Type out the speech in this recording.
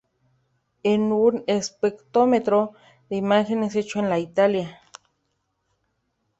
Es un espectrómetro de imágenes hecho en Italia.